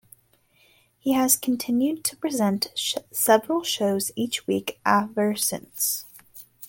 He has continued to present several shows each week ever since.